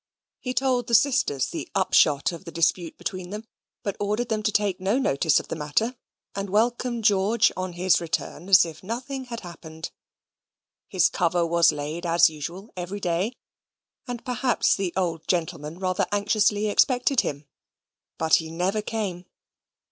He told the sisters the upshot of the dispute between them, but ordered them to take no notice of the matter, and welcome George on his return as if nothing had happened. His cover was laid as usual every day, and perhaps the old gentleman rather anxiously expected him; but he never came.